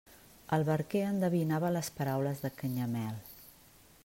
El barquer endevinava les paraules de Canyamel.